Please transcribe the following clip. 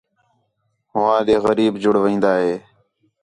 ہوآں ݙے غریب جڑوین٘دا ہیں